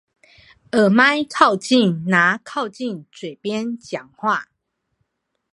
耳麥刻意拿靠近嘴邊講話